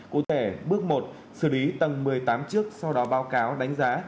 cụ thể bước một xử lý tầng một mươi tám chiếc sau đó báo cáo đánh giá